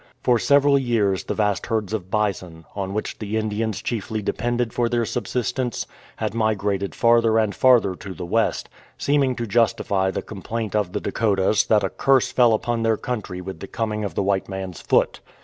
For several years the vast herds of bison, on which the Indians chiefly depended for their subsistence, had migrated farther and farther to the west, seeming to justify the complaint of the Dakotas that a curse fell upon their country with the coming of the white man's foot.